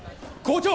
校長！